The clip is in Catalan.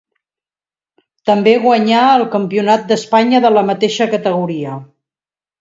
També guanyà el campionat d'Espanya de la mateixa categoria.